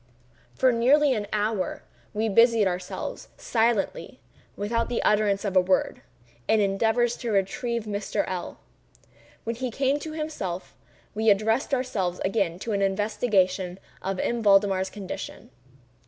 For nearly an hour, we busied ourselves, silently—without the utterance of a word—in endeavors to revive Mr. L—l. When he came to himself, we addressed ourselves again to an investigation of M. Valdemar's condition.